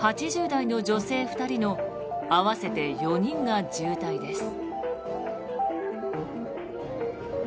８０代の女性２人の合わせて４人が重体です。